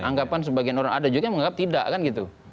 anggapan sebagian orang ada juga yang menganggap tidak kan gitu